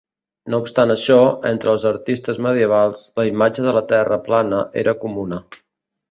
No obstant això, entre els artistes medievals, la imatge de la Terra plana era comuna.